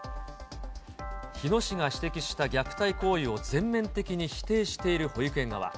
日野市が指摘した虐待行為を全面的に否定している保育園側。